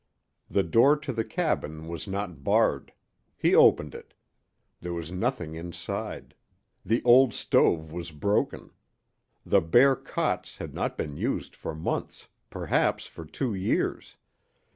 The door to the cabin was not barred. He opened it. There was nothing inside. The old stove was broken. The bare cots had not been used for months perhaps for two years.